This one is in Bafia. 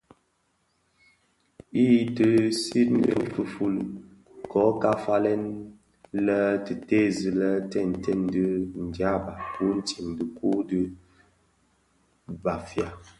I ti siňii tifufuli, kō ka falèn lè tè tèèzi lè tèntèň dhi ndieba utsem dhifuu di Bafia.